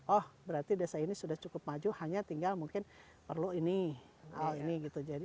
oh berarti desa ini sudah cukup maju hanya tinggal mungkin perlu ini ini gitu